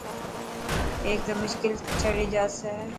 هيڪ ته مشڪل ڇڙي جاسي.